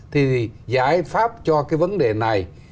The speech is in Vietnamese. thì giải pháp cho cái vấn đề này